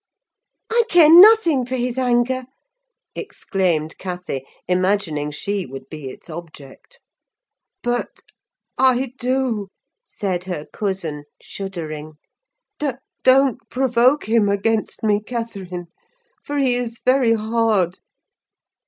"I care nothing for his anger," exclaimed Cathy, imagining she would be its object. "But I do," said her cousin, shuddering. "Don't provoke him against me, Catherine, for he is very hard."